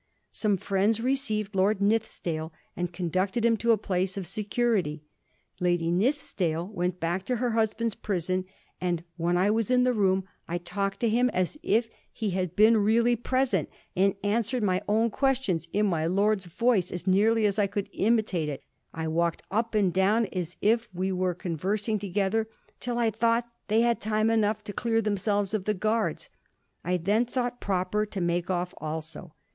Some friends re ceived Lord Nithisdale, and conducted him to a place of security. Lady Nithisdale went back to her hus band's prison, and ' When I was in the room I talked to ^iTn as if he had been really present, and answered my own questions in my lord's voice as nearly as I could imitate it. I walked up and down as if we were conversing together, till I thought they had time enough to clear themselves of the guards. I then thought proper to make off also.